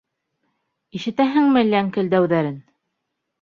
Ишетәһеңме ләңкелдәүҙәрен?